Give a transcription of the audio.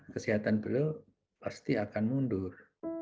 kesehatan beliau pasti akan mundur